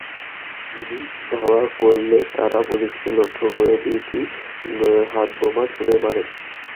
Police ধাওয়া করলে তারা পুলিশকে লক্ষ্য করে দুটি হাতবোমা ছুড়ে মারে।